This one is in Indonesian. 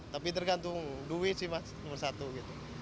tapi tergantung duit sih mas nomor satu gitu